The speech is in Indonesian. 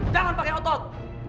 jangan pakai otot